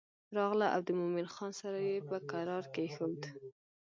راغله او د مومن خان سر یې په کرار کېښود.